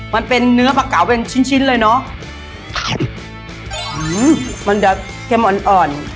มันเป็นเนื้อปลาเก๋าเป็นชิ้นชิ้นเลยเนอะมันจะเค็มอ่อนอ่อน